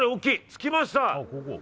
着きました。